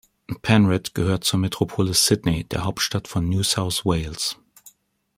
Penrith gehört zur Metropole Sydney, der Hauptstadt von New South Wales.